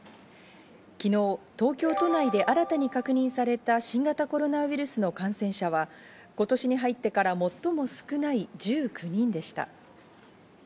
昨日、東京都内で新たに確認された新型コロナウイルスの感染者は今年に入ってから最も少ない１９人でした。